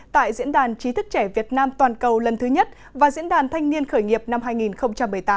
tại diễn đàn chí thức trẻ việt nam toàn cầu lần thứ nhất và diễn đàn thanh niên khởi nghiệp năm hai nghìn một mươi tám